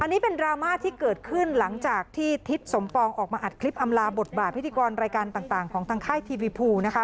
อันนี้เป็นดราม่าที่เกิดขึ้นหลังจากที่ทิศสมปองออกมาอัดคลิปอำลาบทบาทพิธีกรรายการต่างของทางค่ายทีวีภูนะคะ